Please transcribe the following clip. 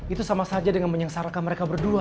itu sama saja dengan menyengsarakan mereka berdua